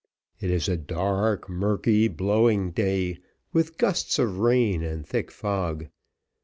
It is a dark, murky, blowing day, with gusts of rain and thick fog.